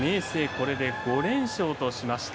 これで５連勝としました。